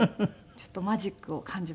ちょっとマジックを感じました。